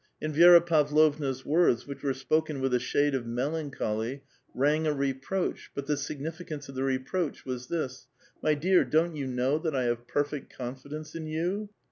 In Vi^ra Pavlovna's words, which were spoken with a shade . of melancholy, rang a reproach, but the significance of the reproach was this :'* My dear, don't you know that I have ]>errect confidence in you?